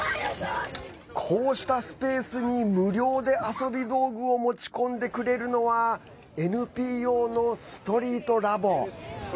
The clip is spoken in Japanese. こうしたスペースに無料で遊び道具を持ち込んでくれるのはＮＰＯのＳｔｒｅｅｔＬａｂ。